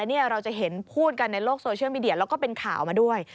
เราจะเห็นพูดกันในโลกโซเชียลมีเดียแล้วก็เป็นข่าวมาด้วย